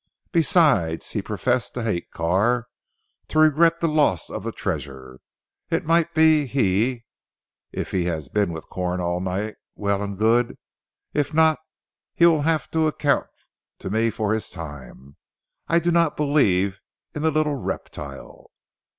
Besides, he professed to hate Carr, to regret the loss of the treasure. It might be he, if he has been with Corn all the night well and good if not, he will have to account to me for his time. I do not believe in the little reptile."